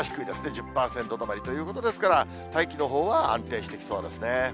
１０％止まりということですから、大気のほうは安定してきそうですね。